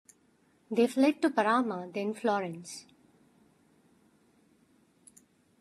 They fled to Parma, then Florence.